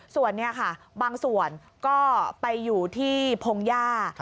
ส่วนนี้ค่ะบางส่วนก็ไปอยู่ที่พงหญ้า